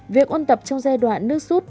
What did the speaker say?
việc ôn tập trong giai đoạn nước rút